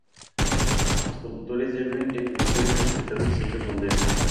Los conductores deben de conocer y respetar las distintas banderas.